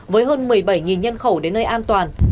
với hơn một mươi bảy nhân khẩu đến nơi an toàn